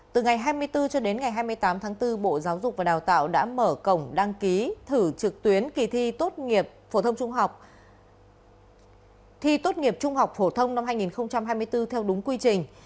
từ ngày hai mươi bốn cho đến ngày hai mươi tám tháng bốn bộ giáo dục và đào tạo đã mở cổng đăng ký thử trực tuyến kỳ thi tốt nghiệp trung học phổ thông năm hai nghìn hai mươi bốn theo đúng quy trình